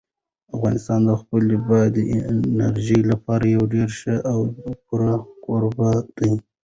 افغانستان د خپلې بادي انرژي لپاره یو ډېر ښه او پوره کوربه دی.